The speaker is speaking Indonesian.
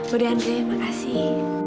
udah andre makasih